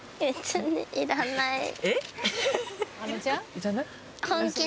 いらない？